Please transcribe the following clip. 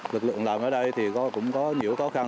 lực lượng làm ở đây thì cũng có nhiều khó khăn